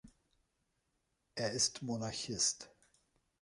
Er ist Monarchist.